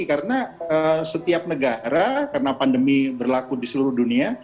karena setiap negara karena pandemi berlaku di seluruh dunia